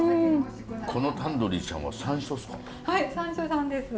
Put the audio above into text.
このタンドリーちゃんは山椒ですか？